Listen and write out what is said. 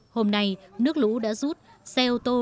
hôm nay nước lũ đã rút